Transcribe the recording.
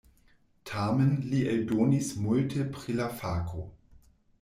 Tamen li eldonis multe pri la fako.